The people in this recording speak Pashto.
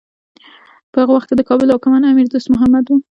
په هغه وخت کې د کابل واکمن امیر دوست محمد و.